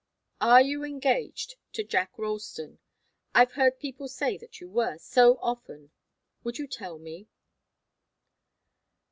"Are you engaged to Jack Ralston? I've heard people say that you were, so often. Would you tell me?"